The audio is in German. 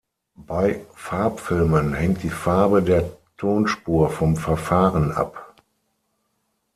Bei Farbfilmen hängt die Farbe der Tonspur vom Verfahren ab.